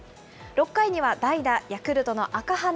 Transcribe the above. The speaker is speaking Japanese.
６回には代打、ヤクルトの赤羽。